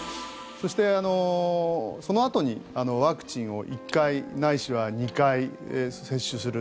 そして、そのあとにワクチンを１回ないしは２回接種する。